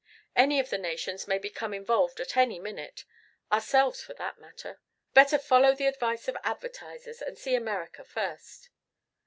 Any of the nations may become involved at any minute ourselves, for that matter. Better follow the advice of advertisers and see America first."